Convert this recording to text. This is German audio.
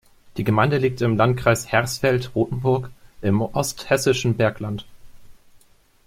Die Gemeinde liegt im Landkreis Hersfeld-Rotenburg im osthessischen Bergland.